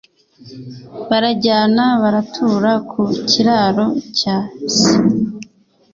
Barajyana baratura ku kiraro cya se